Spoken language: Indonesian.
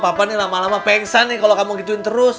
papa nih lama lama pengsan nih kalau kamu ngituin terus